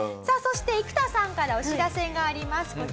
さあそして生田さんからお知らせがあります。